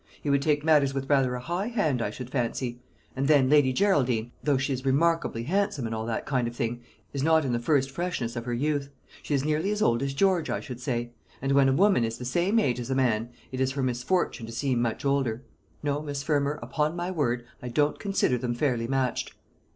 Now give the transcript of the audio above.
He would take matters with rather a high hand, I should fancy. And then Lady Geraldine, though she is remarkably handsome, and all that kind of thing, is not in the first freshness of her youth. She is nearly as old as George, I should say; and when a woman is the same age as a man, it is her misfortune to seem much older. No, Miss Fermor, upon my word, I don't consider them fairly matched."